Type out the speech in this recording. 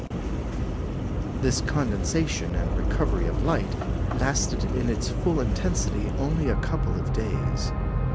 This condensation and recovery of light lasted in its full intensity only a couple of days.